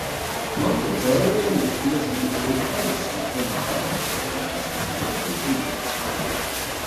Man to dzēlieni ir diezgan grūti panesami un uz ādas pumpas, kas riebīgi niez.